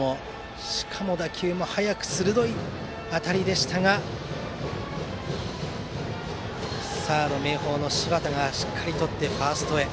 しかも打球も速く鋭い当たりでしたが明豊のサード、柴田がしっかりととってファーストへ。